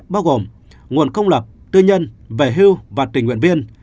bao gồm nguồn không lập tư nhân vẻ hưu và tình nguyện viên